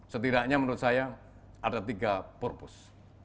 setidaknya menurut saya ada tiga purpose